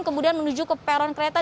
kemudian menuju ke peron kereta